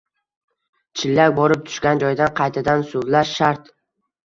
Chillak borib tushgan joydan qaytadan zuvlash shart.